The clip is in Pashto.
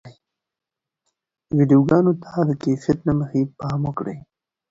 ویډیوګانو ته د کیفیت له مخې پام وکړئ.